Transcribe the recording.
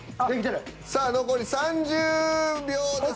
さあ残り３０秒です。